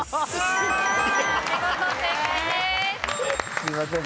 すいません。